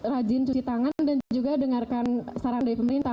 rajin cuci tangan dan juga dengarkan saran dari pemerintah